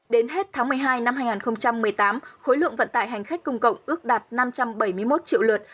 đến hết tháng một mươi hai năm hai nghìn một mươi tám khối lượng vận tải hành khách công cộng ước đạt năm trăm bảy mươi một triệu lượt